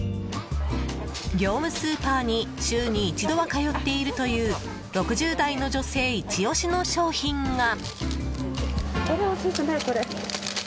業務スーパーに週に一度は通っているという６０代の女性イチオシの商品が。